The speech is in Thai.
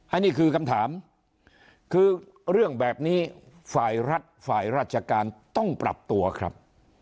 อันนี้คือคำถามคือเรื่องแบบนี้ฝ่ายรัฐฝ่ายราชการต้องปรับตัวครับ